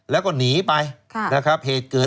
แล้วก็หนีไป